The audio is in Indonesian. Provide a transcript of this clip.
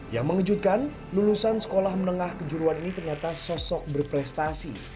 yang mengejutkan lulusan sekolah menengah kejuruan ini ternyata sosok berprestasi